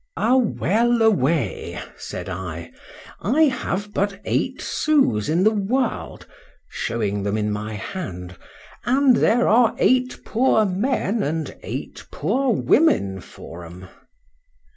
A well a way! said I,—I have but eight sous in the world, showing them in my hand, and there are eight poor men and eight poor women for 'em.